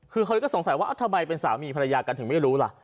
คือเขาก็สงสัยว่าทำไมเป็นสามีภรรยากันถึงไม่รู้ล่ะ